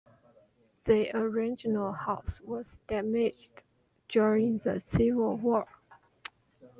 The original house was damaged during the civil war.